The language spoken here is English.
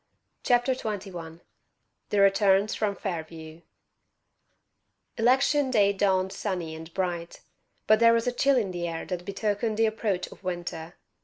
CHAPTER XXI THE "RETURNS" FROM FAIRVIEW Election day dawned sunny and bright; but there was a chill in the air that betokened the approach of winter.